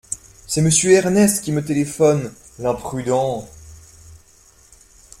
C’est monsieur Ernest qui me téléphone, l’imprudent !